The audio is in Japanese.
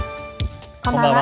こんばんは。